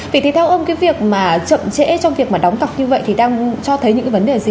vậy thì theo ông cái việc mà chậm trễ trong việc mà đóng cọc như vậy thì đang cho thấy những cái vấn đề gì